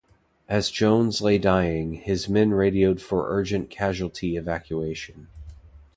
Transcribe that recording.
As Jones lay dying, his men radioed for urgent casualty evacuation.